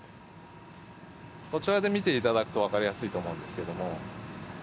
こちらで見ていただくとわかりやすいと思うんですけども。